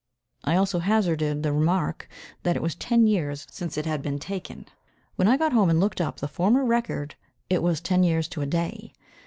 I also hazarded the remark that it was "ten years since it had been taken." When I got home and looked up the former record it was ten years to a day.